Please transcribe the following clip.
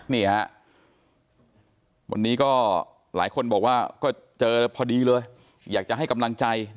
นี่ฮะวันนี้ก็หลายคนบอกว่าก็เจอพอดีเลยอยากจะให้กำลังใจ